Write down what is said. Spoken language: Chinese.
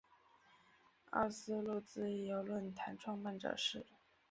奥斯陆自由论坛创办者是。